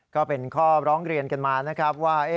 ก็เป็นข้อร้องเรียนกันมาว่า